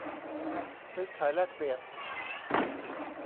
ซื้อขายแลกเปลี่ยน